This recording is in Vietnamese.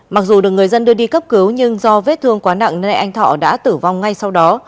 mặc dù được người dân đưa đi cấp cứu nhưng do vết thương quá nặng nên anh thọ đã tử vong ngay sau đó